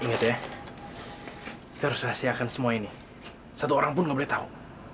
kita harus rahasiakan semua ini satu orang pun nggak boleh tahu